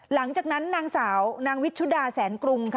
หลังจากนั้นนางสาวนางวิชุดาแสนกรุงค่ะ